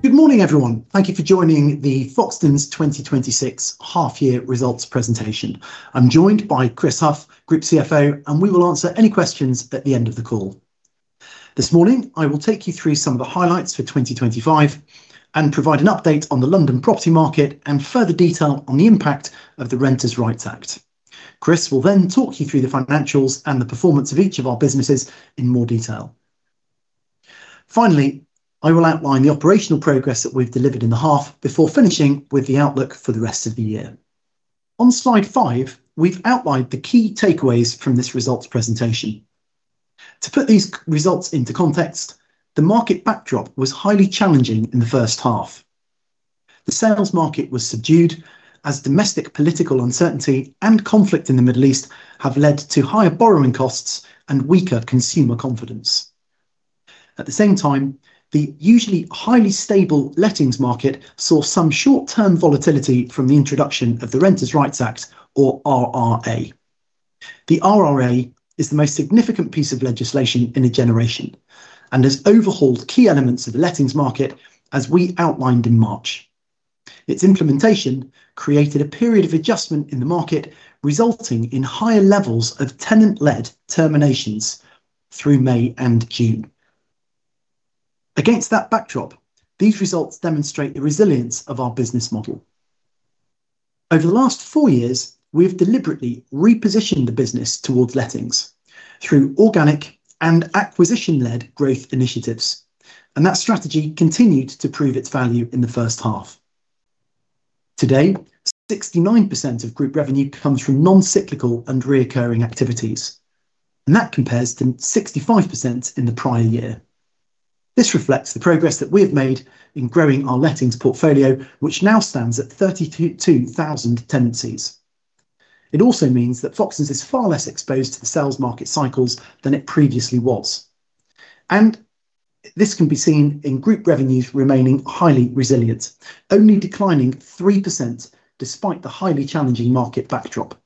Good morning, everyone. Thank you for joining the Foxtons 2026 half-year results presentation. I'm joined by Chris Hough, Group CFO, and we will answer any questions at the end of the call. This morning, I will take you through some of the highlights for 2025 and provide an update on the London property market and further detail on the impact of the Renters' Rights Act. Chris will talk you through the financials and the performance of each of our businesses in more detail. Finally, I will outline the operational progress that we've delivered in the half before finishing with the outlook for the rest of the year. On slide five, we've outlined the key takeaways from this results presentation. To put these results into context, the market backdrop was highly challenging in the first half. The Sales market was subdued as domestic political uncertainty and conflict in the Middle East have led to higher borrowing costs and weaker consumer confidence. At the same time, the usually highly stable Lettings market saw some short-term volatility from the introduction of the Renters' Rights Act, or RRA. The RRA is the most significant piece of legislation in a generation and has overhauled key elements of the Lettings market as we outlined in March. Its implementation created a period of adjustment in the market, resulting in higher levels of tenant-led terminations through May and June. Against that backdrop, these results demonstrate the resilience of our business model. Over the last four years, we've deliberately repositioned the business towards Lettings through organic and acquisition-led growth initiatives, and that strategy continued to prove its value in the first half. Today, 69% of group revenue comes from non-cyclical and reoccurring activities, and that compares to 65% in the prior year. This reflects the progress that we've made in growing our Lettings portfolio, which now stands at 32,000 tenancies. It also means that Foxtons is far less exposed to the Sales market cycles than it previously was. This can be seen in group revenues remaining highly resilient, only declining 3% despite the highly challenging market backdrop.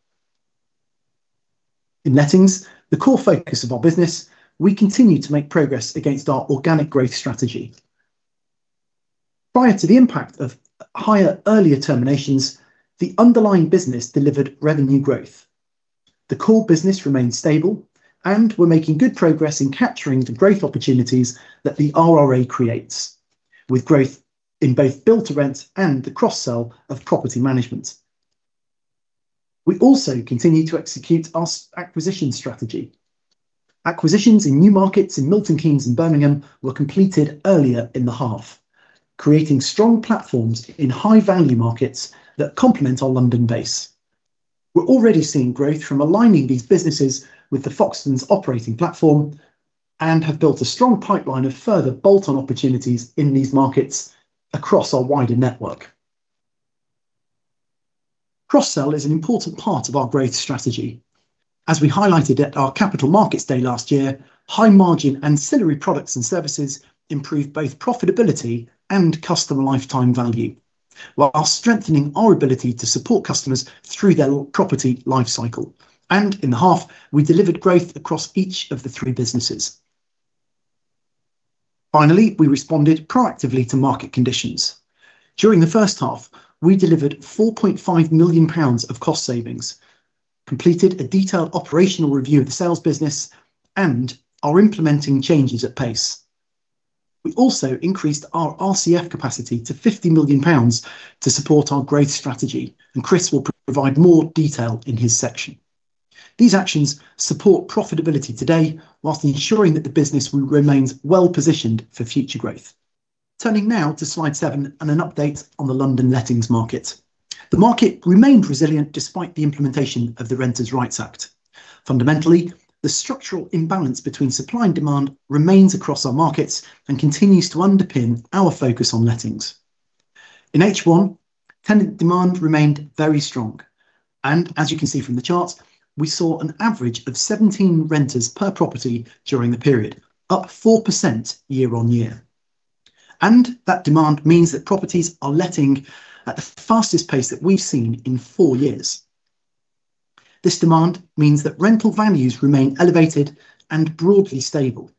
In Lettings, the core focus of our business, we continue to make progress against our organic growth strategy. Prior to the impact of higher earlier terminations, the underlying business delivered revenue growth. The core business remained stable, and we're making good progress in capturing the growth opportunities that the RRA creates, with growth in both Build to Rent and the cross-sell of property management. We also continue to execute our acquisition strategy. Acquisitions in new markets in Milton Keynes and Birmingham were completed earlier in the half, creating strong platforms in high-value markets that complement our London base. We're already seeing growth from aligning these businesses with the Foxtons operating platform and have built a strong pipeline of further bolt-on opportunities in these markets across our wider network. Cross-sell is an important part of our growth strategy. As we highlighted at our Capital Markets Day last year, high-margin ancillary products and services improve both profitability and customer lifetime value while strengthening our ability to support customers through their property life cycle. In the half, we delivered growth across each of the three businesses. Finally, we responded proactively to market conditions. During the first half, we delivered 4.5 million pounds of cost savings, completed a detailed operational review of the Sales business, and are implementing changes at pace. We also increased our RCF capacity to 50 million pounds to support our growth strategy. Chris will provide more detail in his section. These actions support profitability today while ensuring that the business remains well-positioned for future growth. Turning now to slide seven and an update on the London Lettings market. The market remained resilient despite the implementation of the Renters' Rights Act. Fundamentally, the structural imbalance between supply and demand remains across our markets and continues to underpin our focus on lettings. In H1, tenant demand remained very strong, and as you can see from the chart, we saw an average of 17 renters per property during the period, up 4% year-on-year. That demand means that properties are letting at the fastest pace that we've seen in four years. This demand means that rental values remain elevated and broadly stable.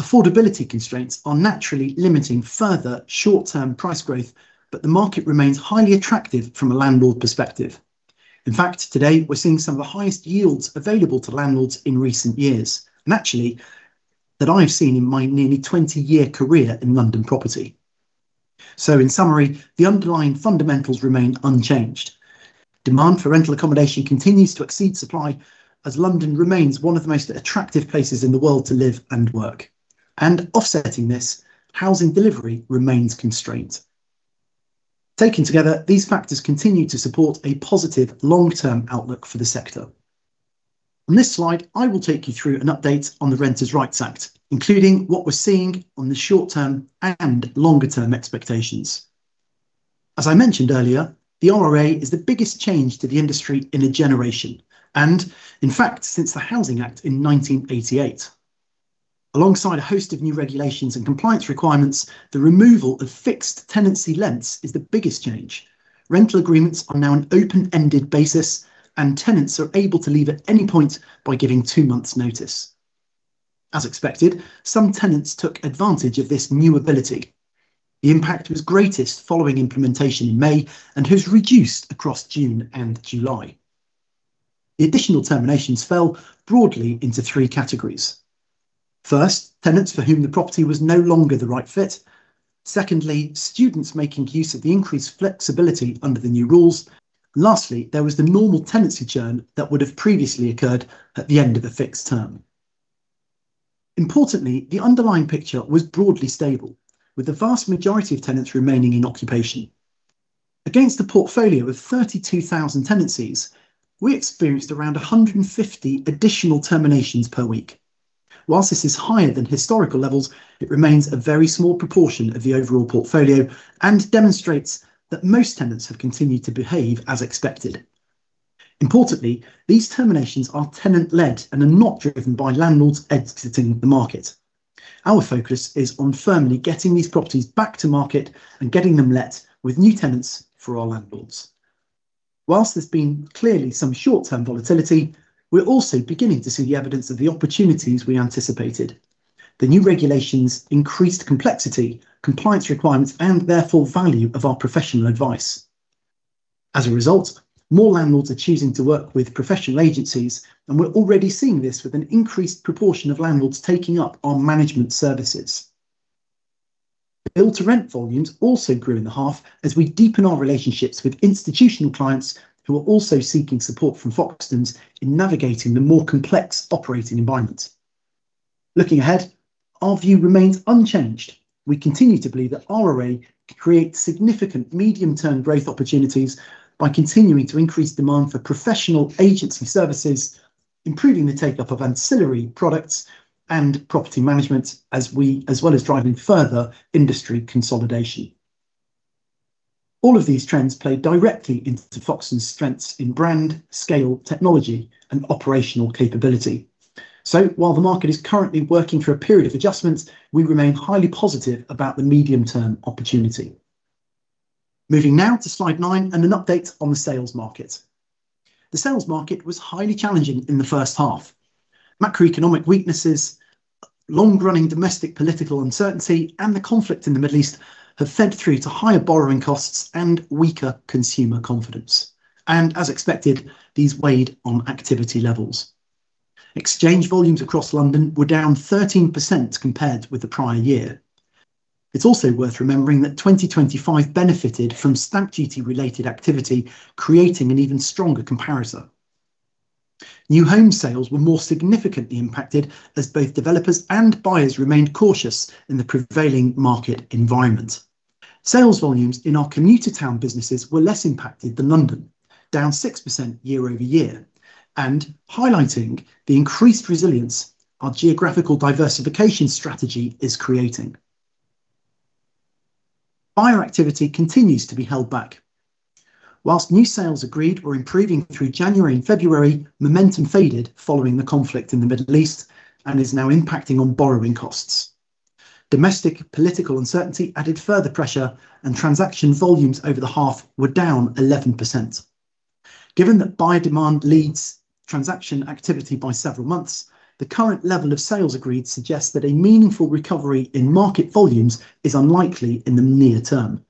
Affordability constraints are naturally limiting further short-term price growth. The market remains highly attractive from a landlord perspective. In fact, today, we're seeing some of the highest yields available to landlords in recent years, and actually, that I've seen in my nearly 20-year career in London property. In summary, the underlying fundamentals remain unchanged. Demand for rental accommodation continues to exceed supply as London remains one of the most attractive places in the world to live and work. Offsetting this, housing delivery remains constrained. Taken together, these factors continue to support a positive long-term outlook for the sector. On this slide, I will take you through an update on the Renters' Rights Act, including what we're seeing on the short-term and longer-term expectations. As I mentioned earlier, the RRA is the biggest change to the industry in a generation, in fact, since the Housing Act in 1988. Alongside a host of new regulations and compliance requirements, the removal of fixed tenancy lengths is the biggest change. Rental agreements are now an open-ended basis. Tenants are able to leave at any point by giving two months' notice. As expected, some tenants took advantage of this new ability. The impact was greatest following implementation in May and has reduced across June and July. The additional terminations fell broadly into three categories. First, tenants for whom the property was no longer the right fit. Secondly, students making use of the increased flexibility under the new rules. Lastly, there was the normal tenancy churn that would have previously occurred at the end of the fixed term. Importantly, the underlying picture was broadly stable, with the vast majority of tenants remaining in occupation. Against a portfolio of 32,000 tenancies, we experienced around 150 additional terminations per week. Whilst this is higher than historical levels, it remains a very small proportion of the overall portfolio and demonstrates that most tenants have continued to behave as expected. Importantly, these terminations are tenant-led and are not driven by landlords exiting the market. Our focus is on firmly getting these properties back to market and getting them let with new tenants for our landlords. Whilst there's been clearly some short-term volatility, we're also beginning to see the evidence of the opportunities we anticipated. The new regulations increased complexity, compliance requirements, therefore value of our professional advice. As a result, more landlords are choosing to work with professional agencies, we're already seeing this with an increased proportion of landlords taking up our management services. The Build to Rent volumes also grew in the half as we deepen our relationships with institutional clients who are also seeking support from Foxtons in navigating the more complex operating environment. Looking ahead, our view remains unchanged. We continue to believe that RRA could create significant medium-term growth opportunities by continuing to increase demand for professional agency services, improving the take-up of ancillary products and property management, as well as driving further industry consolidation. All of these trends play directly into Foxtons' strengths in brand, scale, technology, and operational capability. While the market is currently working through a period of adjustment, we remain highly positive about the medium-term opportunity. Moving now to slide nine and an update on the Sales market. The Sales market was highly challenging in the first half. Macroeconomic weaknesses, long-running domestic political uncertainty, and the conflict in the Middle East have fed through to higher borrowing costs and weaker consumer confidence. As expected, these weighed on activity levels. Exchange volumes across London were down 13% compared with the prior year. It's also worth remembering that 2025 benefited from Stamp Duty-related activity, creating an even stronger comparison. New home sales were more significantly impacted as both developers and buyers remained cautious in the prevailing market environment. Sales volumes in our commuter town businesses were less impacted than London, down 6% year-over-year, highlighting the increased resilience our geographical diversification strategy is creating. Buyer activity continues to be held back. Whilst new sales agreed were improving through January and February, momentum faded following the conflict in the Middle East and is now impacting on borrowing costs. Domestic political uncertainty added further pressure, transaction volumes over the half were down 11%. Given that buyer demand leads transaction activity by several months, the current level of sales agreed suggests that a meaningful recovery in market volumes is unlikely in the near term.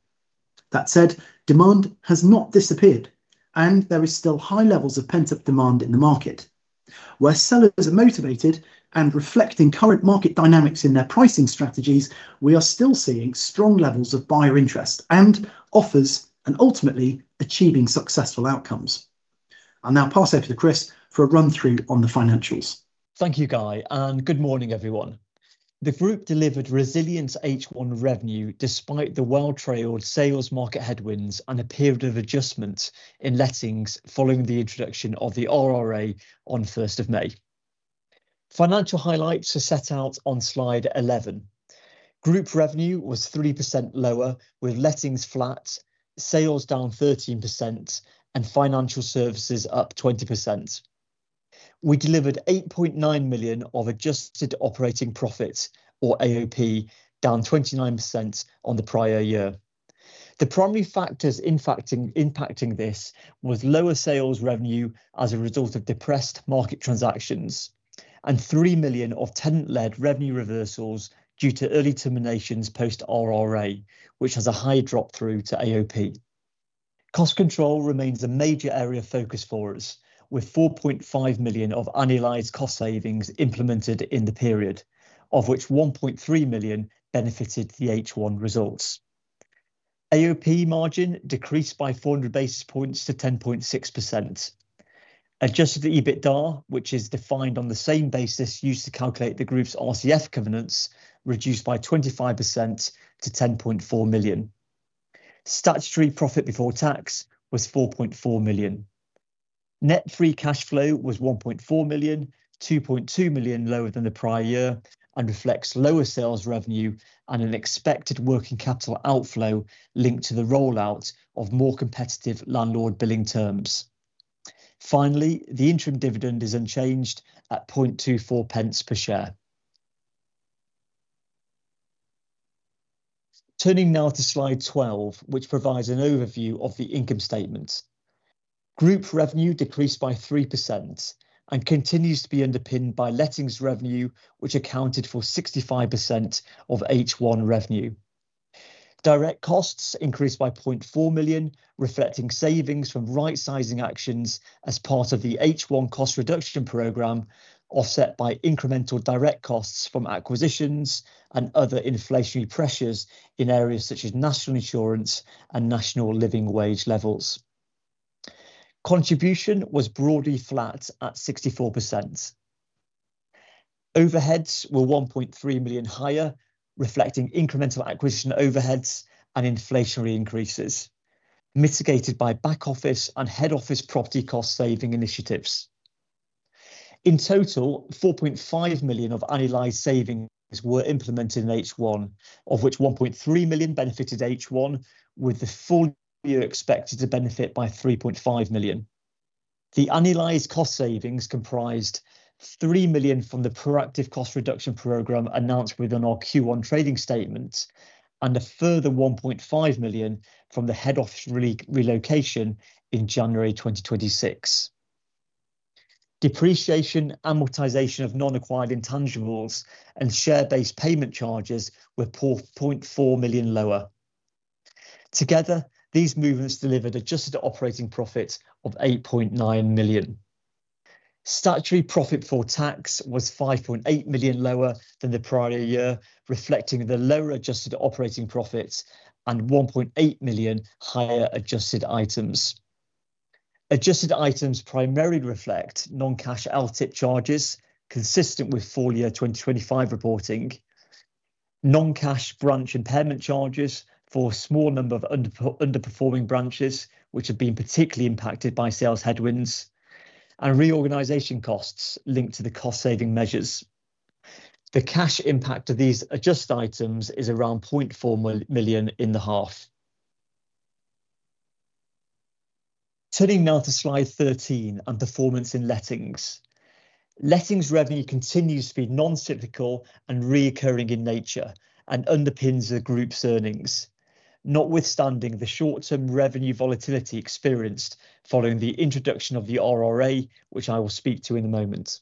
That said, demand has not disappeared and there is still high levels of pent-up demand in the market. Where sellers are motivated and reflecting current market dynamics in their pricing strategies, we are still seeing strong levels of buyer interest and offers and ultimately achieving successful outcomes. I'll now pass over to Chris for a run-through on the financials. Thank you, Guy, Good morning, everyone. The group delivered resilient H1 revenue despite the well-trailed Sales market headwinds and a period of adjustment in lettings following the introduction of the RRA on the 1st of May. Financial highlights are set out on slide 11. Group revenue was 3% lower with lettings flat, sales down 13%, Financial Services up 20%. We delivered 8.9 million of adjusted operating profit or AOP down 29% on the prior year. The primary factors impacting this was lower sales revenue as a result of depressed market transactions and 3 million of tenant-led revenue reversals due to early terminations post-RRA, which has a high drop-through to AOP. Cost control remains a major area of focus for us, with 4.5 million of annualized cost savings implemented in the period, of which 1.3 million benefited the H1 results. AOP margin decreased by 400 basis points to 10.6%. Adjusted EBITDA, which is defined on the same basis used to calculate the group's RCF covenants, reduced by 25% to 10.4 million. Statutory profit before tax was 4.4 million. Net free cash flow was 1.4 million, 2.2 million lower than the prior year, and reflects lower Sales revenue and an expected working capital outflow linked to the rollout of more competitive landlord billing terms. Finally, the interim dividend is unchanged at 0.24 per share. Turning now to slide 12, which provides an overview of the income statement. Group revenue decreased by 3% and continues to be underpinned by Lettings revenue, which accounted for 65% of H1 revenue. Direct costs increased by 0.4 million, reflecting savings from rightsizing actions as part of the H1 cost reduction program, offset by incremental direct costs from acquisitions and other inflationary pressures in areas such as National Insurance and National Living Wage levels. Contribution was broadly flat at 64%. Overheads were 1.3 million higher, reflecting incremental acquisition overheads and inflationary increases, mitigated by back office and head office property cost-saving initiatives. In total, 4.5 million of annualized savings were implemented in H1, of which 1.3 million benefited H1 with the full year expected to benefit by 3.5 million. The annualized cost savings comprised 3 million from the proactive cost reduction program announced within our Q1 trading statement and a further 1.5 million from the head office relocation in January 2026. Depreciation, amortization of non-acquired intangibles, and share-based payment charges were 0.4 million lower. Together, these movements delivered adjusted operating profit of 8.9 million. Statutory profit for tax was 5.8 million lower than the prior year, reflecting the lower adjusted operating profits and 1.8 million higher adjusted items. Adjusted items primarily reflect non-cash LTIP charges consistent with full-year 2025 reporting, non-cash branch impairment charges for a small number of underperforming branches which have been particularly impacted by Sales headwinds, and reorganization costs linked to the cost-saving measures. The cash impact of these adjusted items is around 0.4 million in the half. Turning now to slide 13 on performance in Lettings. Lettings revenue continues to be non-cyclical and reoccurring in nature, and underpins the group's earnings, notwithstanding the short-term revenue volatility experienced following the introduction of the RRA, which I will speak to in a moment.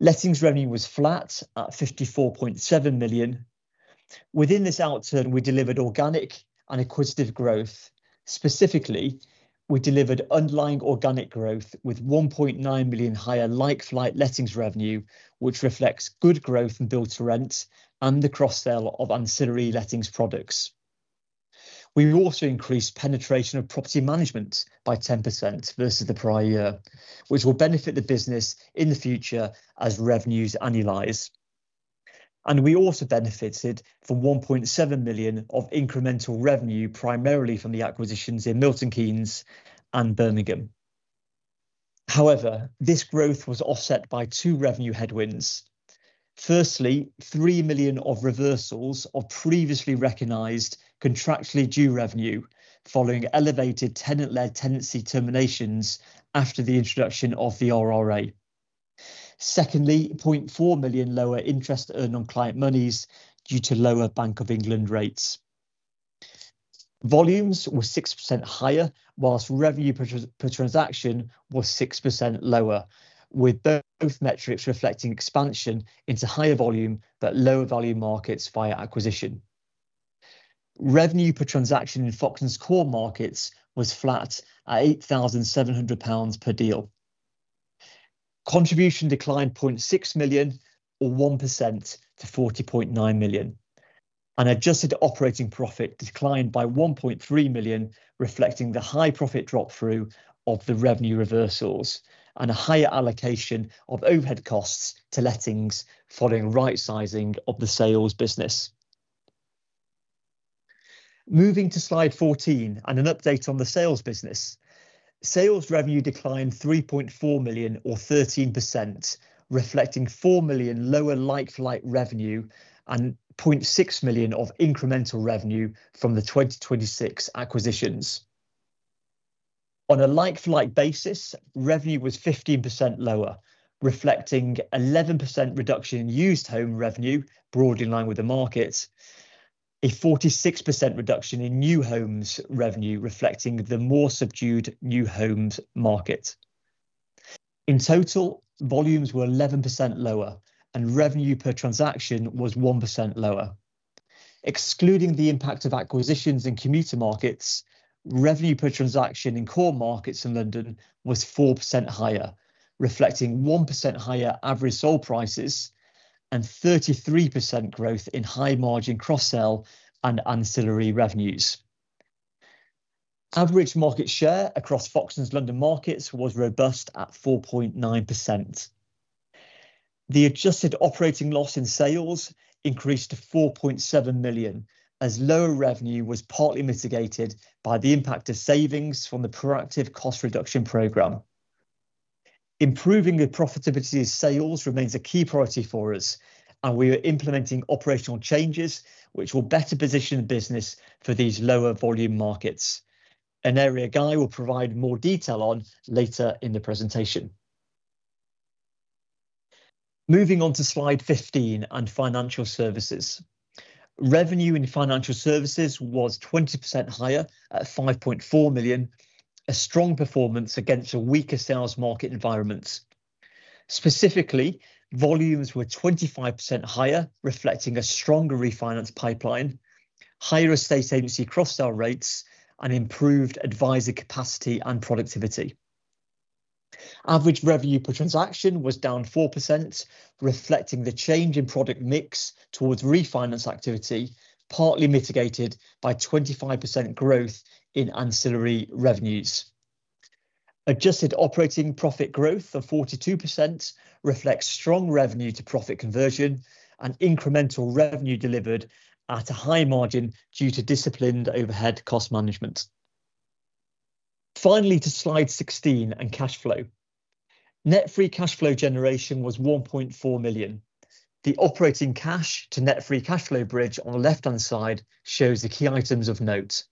Lettings revenue was flat at 54.7 million. Within this outturn, we delivered organic and acquisitive growth. Specifically, we delivered underlying organic growth with 1.9 million higher like-for-like Lettings revenue, which reflects good growth in Build to Rent and the cross-sell of ancillary Lettings products. We also increased penetration of property management by 10% versus the prior year, which will benefit the business in the future as revenues annualize. We also benefited from 1.7 million of incremental revenue, primarily from the acquisitions in Milton Keynes and Birmingham. However, this growth was offset by two revenue headwinds. Firstly, 3 million of reversals of previously recognized contractually due revenue following elevated tenant-led tenancy terminations after the introduction of the RRA. Secondly, 0.4 million lower interest earned on client monies due to lower Bank of England rates. Volumes were 6% higher, whilst revenue per transaction was 6% lower, with both metrics reflecting expansion into higher volume but lower value markets via acquisition. Revenue per transaction in Foxtons' core markets was flat at 8,700 pounds per deal. Contribution declined 0.6 million or 1% to 40.9 million. Adjusted operating profit declined by 1.3 million, reflecting the high profit drop-through of the revenue reversals and a higher allocation of overhead costs to Lettings following rightsizing of the Sales business. Moving to slide 14 and an update on the Sales business. Sales revenue declined 3.4 million or 13%, reflecting 4 million lower like-for-like revenue and 0.6 million of incremental revenue from the 2026 acquisitions. On a like-for-like basis, revenue was 15% lower, reflecting 11% reduction in used home revenue, broadly in line with the market, a 46% reduction in new homes revenue reflecting the more subdued new homes market. In total, volumes were 11% lower and revenue per transaction was 1% lower. Excluding the impact of acquisitions in commuter markets, revenue per transaction in core markets in London was 4% higher, reflecting 1% higher average sold prices and 33% growth in high-margin cross-sell and ancillary revenues. Average market share across Foxtons' London markets was robust at 4.9%. The adjusted operating loss in Sales increased to 4.7 million, as lower revenue was partly mitigated by the impact of savings from the proactive cost reduction program. Improving the profitability of Sales remains a key priority for us, and we are implementing operational changes which will better position the business for these lower volume markets. An area Guy will provide more detail on later in the presentation. Moving on to slide 15 on Financial Services. Revenue in Financial Services was 20% higher at 5.4 million, a strong performance against a weaker Sales market environment. Specifically, volumes were 25% higher, reflecting a stronger refinance pipeline, higher estate agency cross-sell rates, and improved advisor capacity and productivity. Average revenue per transaction was down 4%, reflecting the change in product mix towards refinance activity, partly mitigated by 25% growth in ancillary revenues. Adjusted operating profit growth of 42% reflects strong revenue to profit conversion and incremental revenue delivered at a high margin due to disciplined overhead cost management. Finally, to slide 16 and cash flow. Net free cash flow generation was 1.4 million. The operating cash to net free cash flow bridge on the left-hand side shows the key items of note.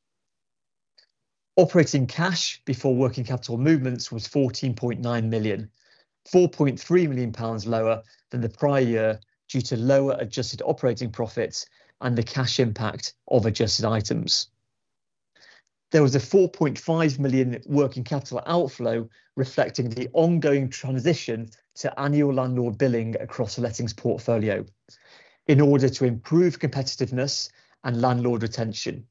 Operating cash before working capital movements was 14.9 million, 4.3 million pounds lower than the prior year due to lower adjusted operating profits and the cash impact of adjusted items. There was a 4.5 million working capital outflow reflecting the ongoing transition to annual landlord billing across the Lettings portfolio in order to improve competitiveness and landlord retention.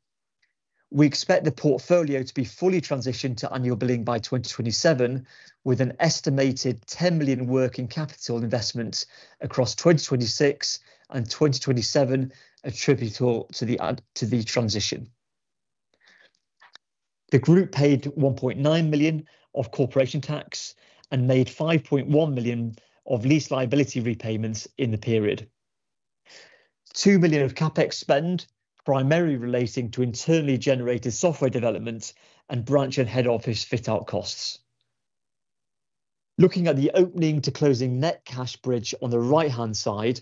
We expect the portfolio to be fully transitioned to annual billing by 2027, with an estimated 10 million working capital investments across 2026 and 2027 attributable to the transition. The group paid 1.9 million of corporation tax and made 5.1 million of lease liability repayments in the period. 2 million of CapEx spend, primarily relating to internally generated software development and branch and head office fit-out costs. Looking at the opening to closing net cash bridge on the right-hand side,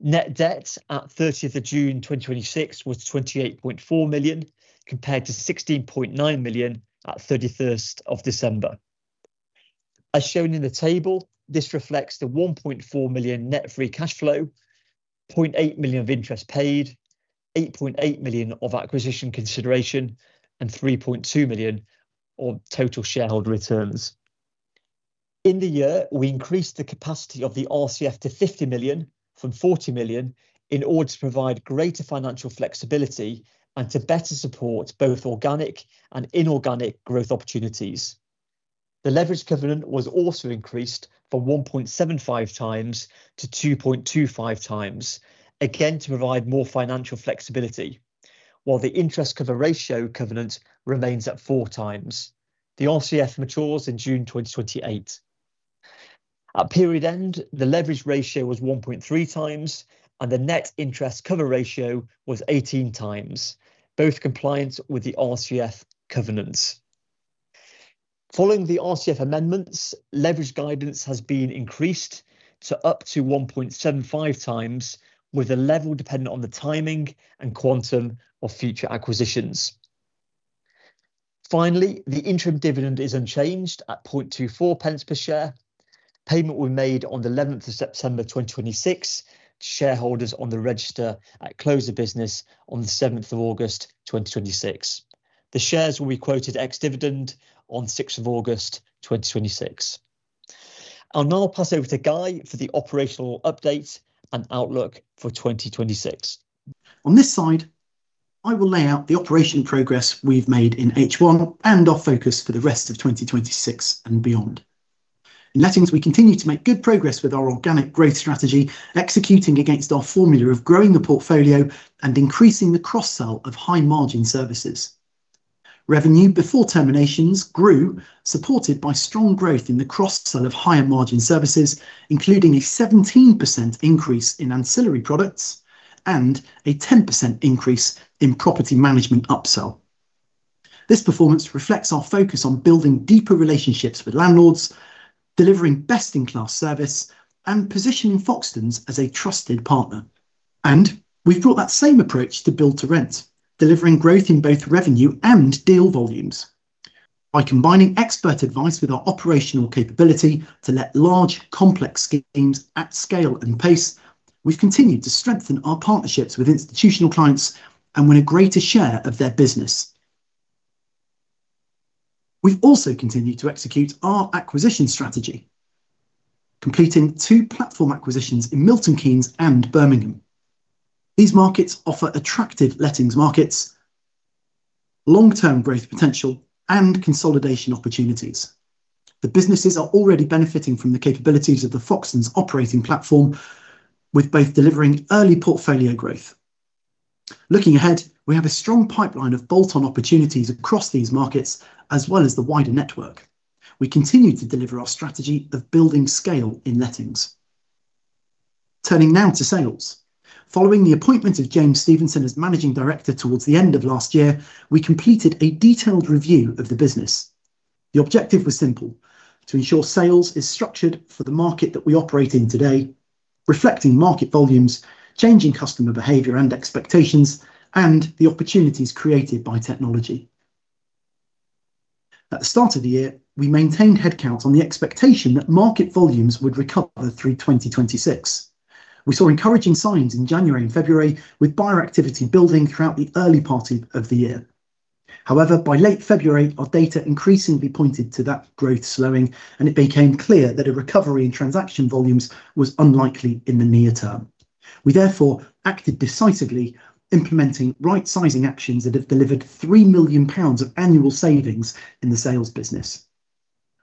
net debt at 30th of June 2026 was 28.4 million, compared to 16.9 million at 31st of December. As shown in the table, this reflects the 1.4 million net free cash flow, 0.8 million of interest paid, 8.8 million of acquisition consideration, and 3.2 million on total shareholder returns. In the year, we increased the capacity of the RCF to 50 million from 40 million in order to provide greater financial flexibility and to better support both organic and inorganic growth opportunities. The leverage covenant was also increased from 1.75x to 2.25x, again, to provide more financial flexibility, while the interest cover ratio covenant remains at 4x. The RCF matures in June 2028. At period end, the leverage ratio was 1.3x, and the net interest cover ratio was 18x, both compliant with the RCF covenants. Following the RCF amendments, leverage guidance has been increased to up to 1.75x, with the level dependent on the timing and quantum of future acquisitions. Finally, the interim dividend is unchanged at 0.24 per share. Payment will be made on the 11th of September 2026 to shareholders on the register at close of business on the 7th of August 2026. The shares will be quoted ex-dividend on 6th of August 2026. I will now pass over to Guy for the operational update and outlook for 2026. On this slide, I will lay out the operational progress we have made in H1 and our focus for the rest of 2026 and beyond. In Lettings, we continue to make good progress with our organic growth strategy, executing against our formula of growing the portfolio and increasing the cross-sell of high-margin services. Revenue before terminations grew, supported by strong growth in the cross-sell of higher margin services, including a 17% increase in ancillary products and a 10% increase in property management upsell. This performance reflects our focus on building deeper relationships with landlords, delivering best-in-class service, and positioning Foxtons as a trusted partner. We have brought that same approach to Build to Rent, delivering growth in both revenue and deal volumes. By combining expert advice with our operational capability to let large, complex schemes at scale and pace, we have continued to strengthen our partnerships with institutional clients and win a greater share of their business. We have also continued to execute our acquisition strategy, completing two platform acquisitions in Milton Keynes and Birmingham. These markets offer attractive Lettings markets, long-term growth potential, and consolidation opportunities. The businesses are already benefiting from the capabilities of the Foxtons operating platform, with both delivering early portfolio growth. Looking ahead, we have a strong pipeline of bolt-on opportunities across these markets, as well as the wider network. We continue to deliver our strategy of building scale in Lettings. Turning now to Sales. Following the appointment of James Stevenson as Managing Director towards the end of last year, we completed a detailed review of the business. The objective was simple, to ensure Sales is structured for the market that we operate in today, reflecting market volumes, changing customer behavior and expectations, and the opportunities created by technology. At the start of the year, we maintained headcount on the expectation that market volumes would recover through 2026. We saw encouraging signs in January and February with buyer activity building throughout the early part of the year. However, by late February, our data increasingly pointed to that growth slowing, and it became clear that a recovery in transaction volumes was unlikely in the near term. We therefore acted decisively, implementing right-sizing actions that have delivered 3 million pounds of annual savings in the Sales business.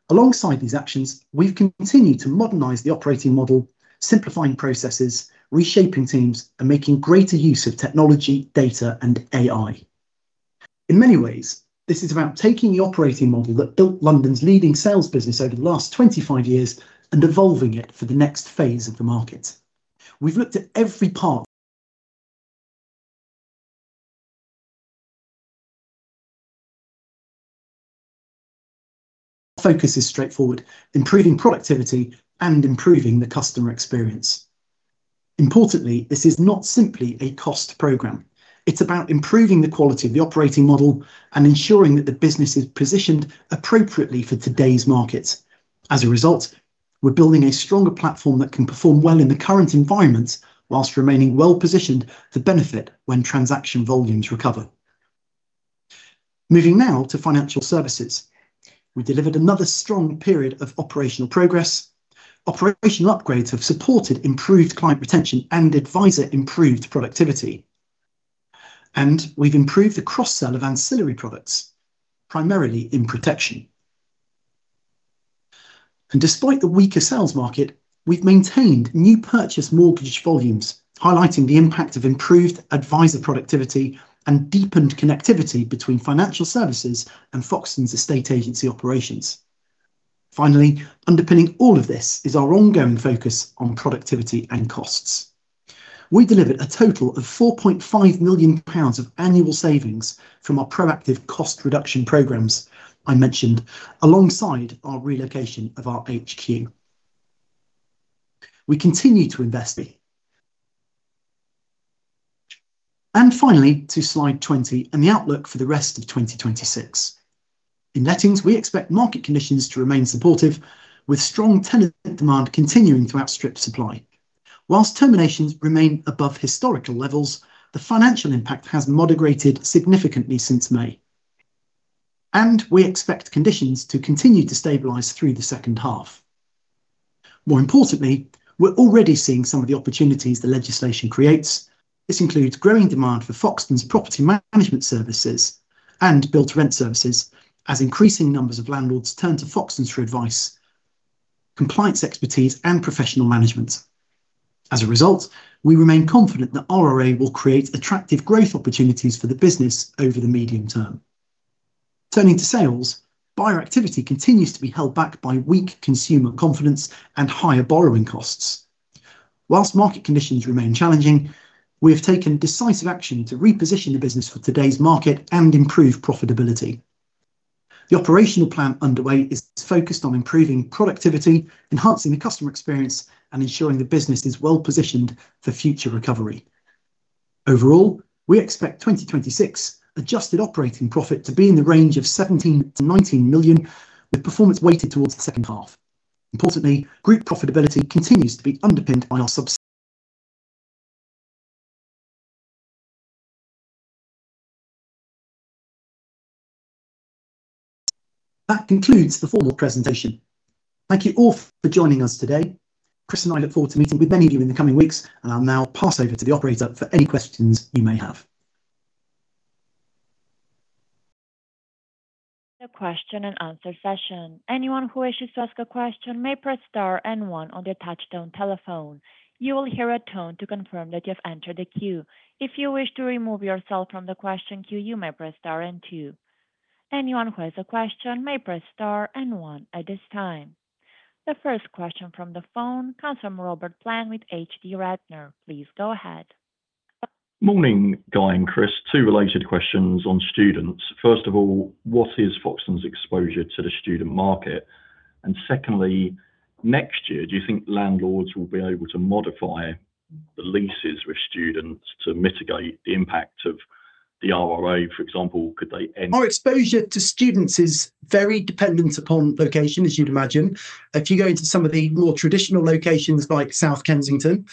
Alongside these actions, we have continued to modernize the operating model, simplifying processes, reshaping teams, and making greater use of technology, data, and AI. In many ways, this is about taking the operating model that built London's leading Sales business over the last 25 years and evolving it for the next phase of the market. We've looked at every part. Our focus is straightforward, improving productivity and improving the customer experience. Importantly, this is not simply a cost program. It's about improving the quality of the operating model and ensuring that the business is positioned appropriately for today's market. As a result, we're building a stronger platform that can perform well in the current environment whilst remaining well-positioned to benefit when transaction volumes recover. Moving now to Financial Services. We delivered another strong period of operational progress. Operational upgrades have supported improved client retention and advisor improved productivity. We've improved the cross-sell of ancillary products, primarily in protection. Despite the weaker Sales market, we've maintained new purchase mortgage volumes, highlighting the impact of improved advisor productivity and deepened connectivity between Financial Services and Foxtons' estate agency operations. Finally, underpinning all of this is our ongoing focus on productivity and costs. We delivered a total of 4.5 million pounds of annual savings from our proactive cost reduction programs I mentioned, alongside our relocation of our HQ. We continue to invest. Finally, to slide 20 and the outlook for the rest of 2026. In Lettings, we expect market conditions to remain supportive, with strong tenant demand continuing to outstrip supply. Whilst terminations remain above historical levels, the financial impact has moderated significantly since May, and we expect conditions to continue to stabilize through the second half. More importantly, we're already seeing some of the opportunities the legislation creates. This includes growing demand for Foxtons property management services and Build to Rent services, as increasing numbers of landlords turn to Foxtons for advice, compliance expertise, and professional management. As a result, we remain confident that RRA will create attractive growth opportunities for the business over the medium term. Turning to Sales, buyer activity continues to be held back by weak consumer confidence and higher borrowing costs. Whilst market conditions remain challenging, we have taken decisive action to reposition the business for today's market and improve profitability. The operational plan underway is focused on improving productivity, enhancing the customer experience, and ensuring the business is well positioned for future recovery. Overall, we expect 2026 adjusted operating profit to be in the range of 17 million-19 million, with performance weighted towards the second half. Importantly, group profitability continues to be underpinned. That concludes the formal presentation. Thank you all for joining us today. Chris and I look forward to meeting with many of you in the coming weeks. I'll now pass over to the operator for any questions you may have. The question and answer session. Anyone who wishes to ask a question may press star and one on their touchtone telephone. You will hear a tone to confirm that you've entered the queue. If you wish to remove yourself from the question queue, you may press star and two. Anyone who has a question may press star and one at this time. The first question from the phone comes from Robert Plant with H2 Radnor. Please go ahead. Morning, Guy and Chris. Two related questions on students. First of all, what is Foxtons' exposure to the student market? Secondly, next year, do you think landlords will be able to modify the leases with students to mitigate the impact of the RRA? For example, could they end- Our exposure to students is very dependent upon location, as you'd imagine. If you go into some of the more traditional locations like South Kensington,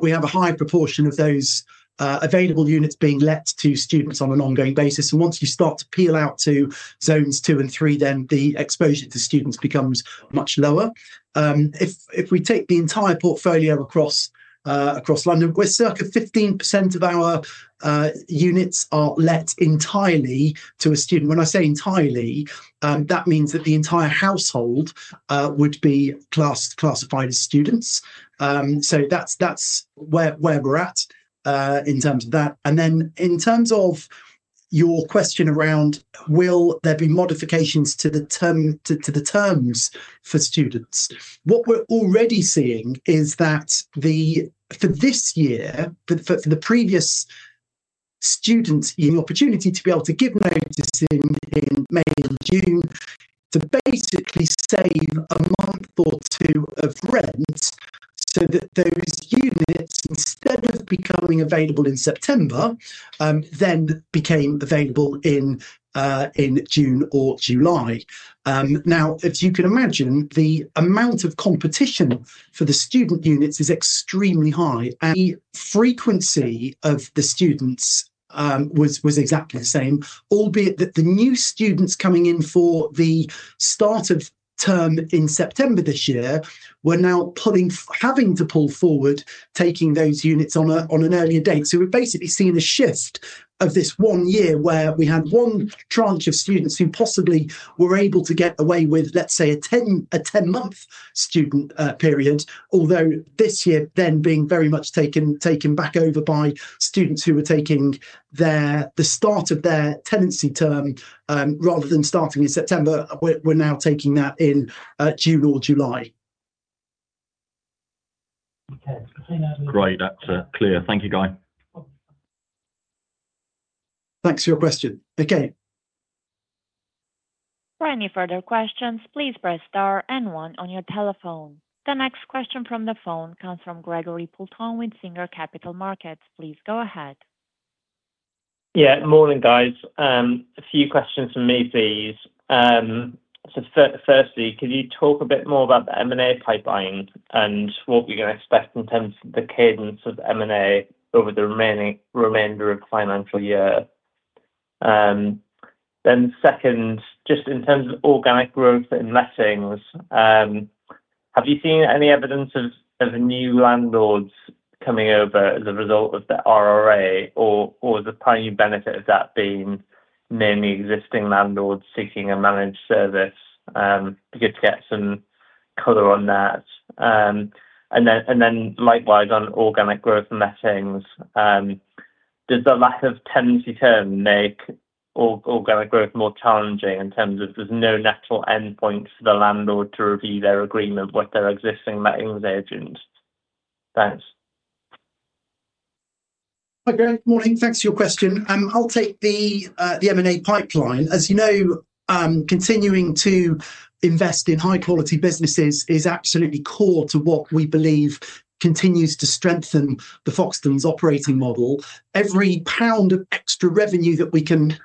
we have a high proportion of those available units being let to students on an ongoing basis. Once you start to peel out to zones two and three, then the exposure to students becomes much lower. If we take the entire portfolio across London, we're circa 15% of our units are let entirely to a student. When I say entirely, that means that the entire household would be classified as students. That's where we're at in terms of that. Then in terms of your question around will there be modifications to the terms for students, what we're already seeing is that for this year, for the previous students, the opportunity to be able to give notice in May or June to basically save a month or two of rent So that those units, instead of becoming available in September, then became available in June or July. As you can imagine, the amount of competition for the student units is extremely high, and the frequency of the students was exactly the same, albeit that the new students coming in for the start of term in September this year, were now having to pull forward taking those units on an earlier date. We're basically seeing a shift of this one year, where we had one tranche of students who possibly were able to get away with, let's say, a 10-month student period. This year, then being very much taken back over by students who were taking the start of their tenancy term, rather than starting in September, were now taking that in June or July. Okay. I think. Great. That's clear. Thank you, Guy. Thanks for your question. Okay. For any further questions, please press star and one on your telephone. The next question from the phone comes from Greg Poulton with Singer Capital Markets. Please go ahead. Yeah. Morning, guys. A few questions from me, please. Firstly, could you talk a bit more about the M&A pipeline and what we can expect in terms of the cadence of M&A over the remainder of financial year? Second, just in terms of organic growth in lettings, have you seen any evidence of new landlords coming over as a result of the RRA, or the primary benefit of that being mainly existing landlords seeking a managed service? Be good to get some color on that. Likewise on organic growth lettings, does the lack of tenancy term make organic growth more challenging in terms of there's no natural endpoint for the landlord to review their agreement with their existing lettings agents? Thanks. Hi, Greg. Morning. Thanks for your question. I'll take the M&A pipeline. As you know, continuing to invest in high-quality businesses is absolutely core to what we believe continues to strengthen the Foxtons operating model. Every pound of extra revenue that we can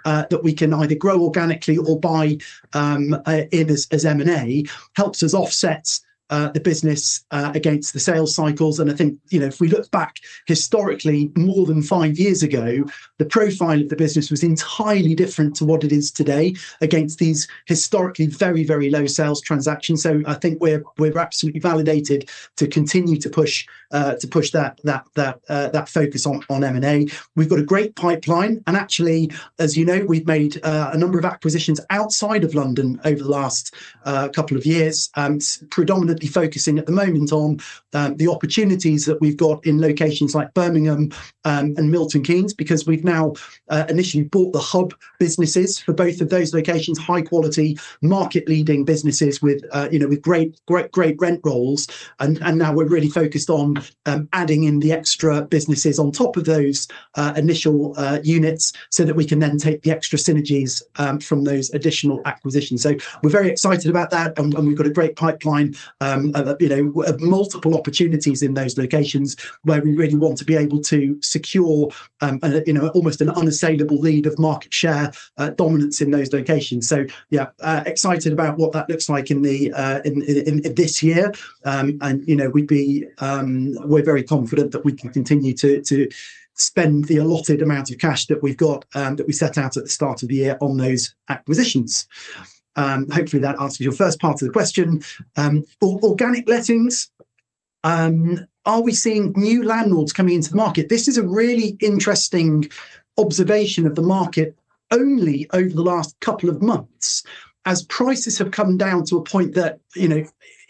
either grow organically or buy in as M&A helps us offset the business against the sales cycles. I think, if we look back historically, more than five years ago, the profile of the business was entirely different to what it is today against these historically very low sales transactions. I think we're absolutely validated to continue to push that focus on M&A. We've got a great pipeline. Actually, as you know, we've made a number of acquisitions outside of London over the last couple of years, predominantly focusing at the moment on the opportunities that we've got in locations like Birmingham and Milton Keynes, because we've now initially bought the hub businesses for both of those locations, high quality, market leading businesses with great rent rolls. Now we're really focused on adding in the extra businesses on top of those initial units so that we can then take the extra synergies from those additional acquisitions. We're very excited about that. We've got a great pipeline of multiple opportunities in those locations where we really want to be able to secure almost an unassailable lead of market share dominance in those locations. Yeah, excited about what that looks like this year. We're very confident that we can continue to spend the allotted amount of cash that we've got, that we set out at the start of the year on those acquisitions. Hopefully that answers your first part of the question. Organic lettings, are we seeing new landlords coming into the market? This is a really interesting observation of the market only over the last couple of months, as prices have come down to a point that,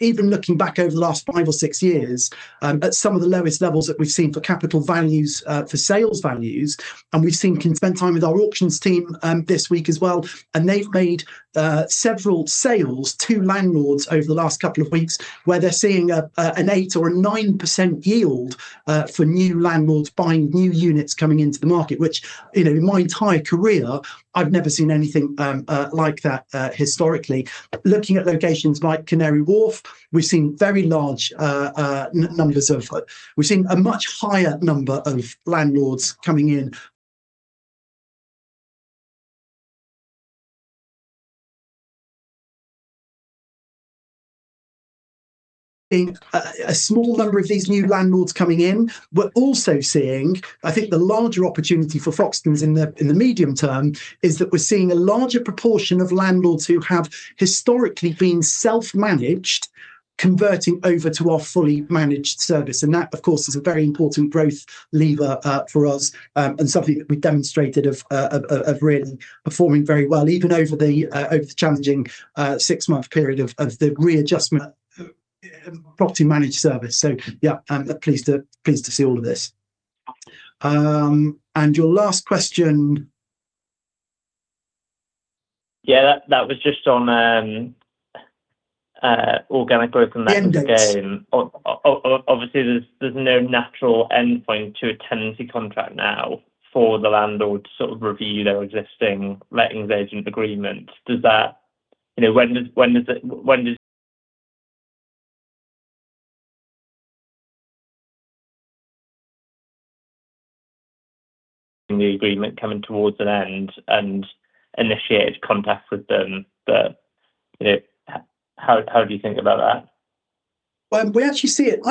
even looking back over the last five or six years, at some of the lowest levels that we've seen for capital values, for Sales values. We spent time with our auctions team this week as well. They've made several Sales to landlords over the last couple of weeks, where they're seeing an 8% or a 9% yield for new landlords buying new units coming into the market, which in my entire career, I've never seen anything like that historically. Looking at locations like Canary Wharf, we've seen a much higher number of landlords coming in. Seeing a small number of these new landlords coming in, we're also seeing, I think the larger opportunity for Foxtons in the medium term, is that we're seeing a larger proportion of landlords who have historically been self-managed, converting over to our fully managed service. That, of course, is a very important growth lever for us, and something that we've demonstrated of really performing very well, even over the challenging six-month period of the readjustment property managed service. Yeah, pleased to see all of this. Your last question. Yeah, that was just on organic growth and lettings again. Endings. There's no natural endpoint to a tenancy contract now for the landlord to sort of review their existing Lettings agent agreement. When does the agreement coming towards an end and initiated contact with them, how do you think about that? Well, I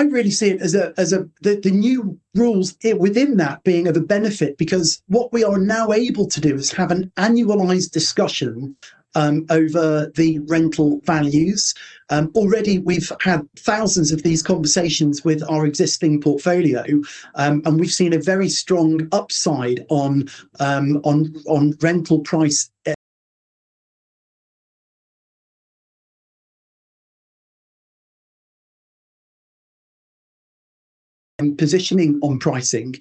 really see it as the new rules within that being of a benefit, because what we are now able to do is have an annualized discussion over the rental values. Already we've had thousands of these conversations with our existing portfolio, and we've seen a very strong upside on rental price and positioning on pricing,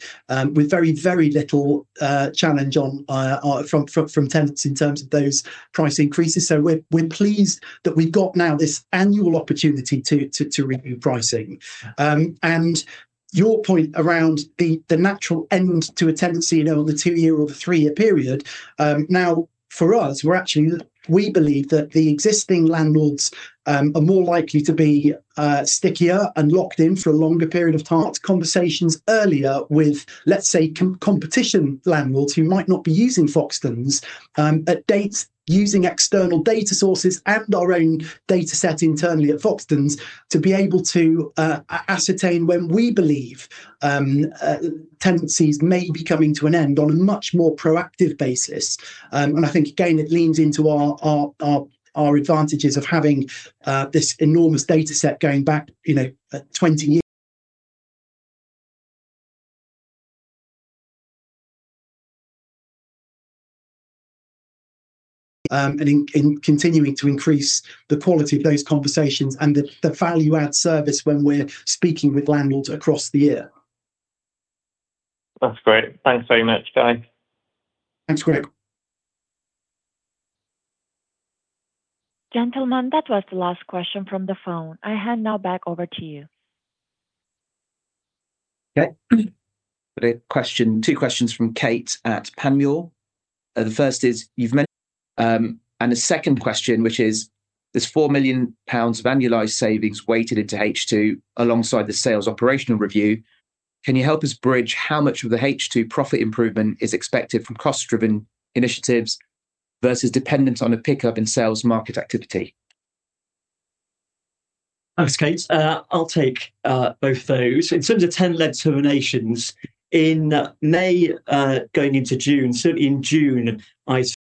with very little challenge from tenants in terms of those price increases. We're pleased that we've got now this annual opportunity to review pricing. Your point around the natural end to a tenancy level, the two-year or the three-year period, now for us, we believe that the existing landlords are more likely to be stickier and locked in for a longer period of time. Conversations earlier with, let's say, competition landlords who might not be using Foxtons, using external data sources and our own data set internally at Foxtons to be able to ascertain when we believe tenancies may be coming to an end on a much more proactive basis. I think, again, it leans into our advantages of having this enormous data set going back 20 years, and in continuing to increase the quality of those conversations and the value-add service when we're speaking with landlords across the year. That's great. Thanks very much, Guy. Thanks, Greg. Gentlemen, that was the last question from the phone. I hand now back over to you. Okay. Got two questions from Kate at Panmure. The first is you've mentioned, and the second question, which is, there's 4 million pounds of annualized savings weighted into H2 alongside the Sales operational review. Can you help us bridge how much of the H2 profit improvement is expected from cost-driven initiatives versus dependent on a pickup in Sales market activity? Thanks, Kate. I'll take both those. In terms of tenant-led terminations, in May, going into June, certainly in June, I saw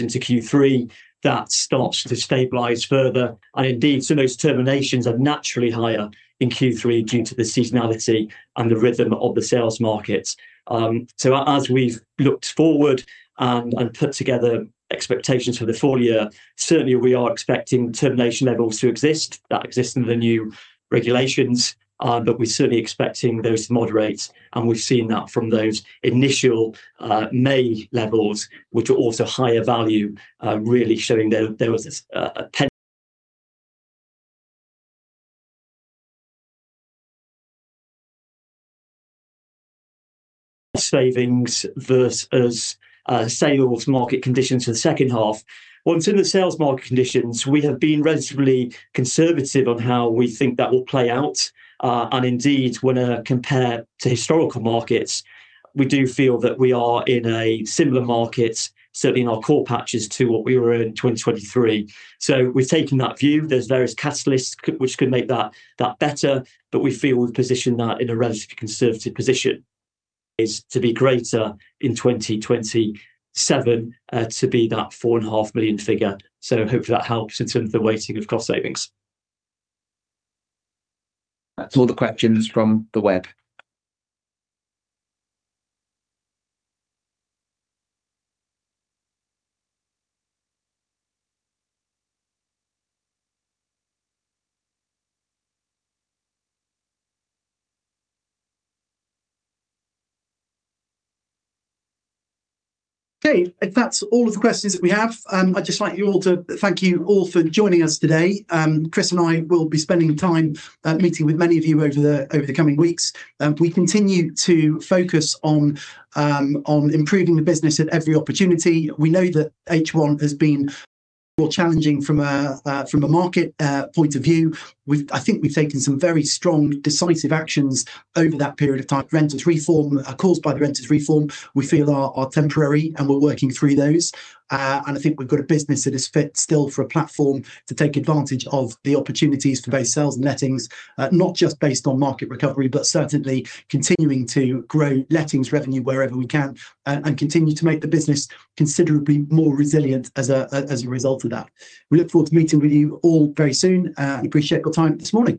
into Q3, that starts to stabilize further. Indeed, those terminations are naturally higher in Q3 due to the seasonality and the rhythm of the Sales markets. As we've looked forward and put together expectations for the full year, certainly we are expecting termination levels to exist, that exist in the new regulations, but we're certainly expecting those to moderate, and we've seen that from those initial May levels, which were also higher value, really showing there was a tendency. Savings versus Sales market conditions for the second half. Once in the Sales market conditions, we have been relatively conservative on how we think that will play out. When compared to historical markets, we do feel that we are in a similar market, certainly in our core patches to what we were in 2023. We've taken that view. There's various catalysts which could make that better, but we feel we've positioned that in a relatively conservative position. Is to be greater in 2027, to be that 4.5 million figure. Hopefully that helps in terms of the weighting of cost savings. That's all the questions from the web. If that's all of the questions that we have, I'd just like to thank you all for joining us today. Chris and I will be spending time meeting with many of you over the coming weeks. We continue to focus on improving the business at every opportunity. We know that H1 has been more challenging from a market point of view. I think we've taken some very strong, decisive actions over that period of time. Renters Reform, caused by the Renters Reform, we feel are temporary and we're working through those. I think we've got a business that is fit still for a platform to take advantage of the opportunities for both sales and lettings, not just based on market recovery, but certainly continuing to grow lettings revenue wherever we can and continue to make the business considerably more resilient as a result of that. We look forward to meeting with you all very soon. Appreciate your time this morning.